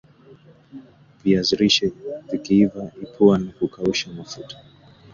viazi lishe Vikiiva ipua na kukausha mafuta